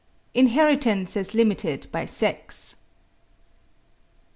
INHERITANCE AS LIMITED BY SEX.